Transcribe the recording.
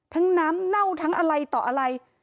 น้ำเน่าทั้งอะไรต่ออะไร